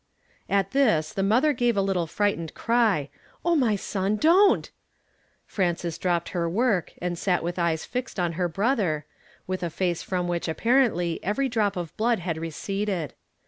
At this the mother gave a little frightened cry, "O my son! Don't! " Frances dropped her work, and sat with eyea fixed on her brother, with a face from which apparently every drop of blood had receded.